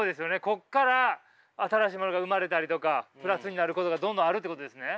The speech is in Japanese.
ここから新しいものが生まれたりとかプラスになることがどんどんあるってことですね？